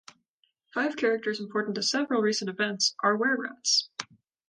Five characters important to several recent events are wererats.